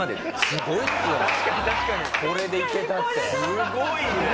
すごいな！